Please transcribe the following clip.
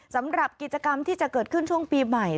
สำหรับกิจกรรมที่จะเกิดขึ้นช่วงปีใหม่